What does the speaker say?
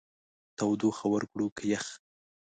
تودوخه ورکړو که يخ؟